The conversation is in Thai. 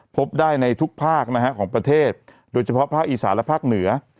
พบได้ในทุกภาคนะฮะของประเทศโดยเฉพาะภาคอีสานและภาคเหนือ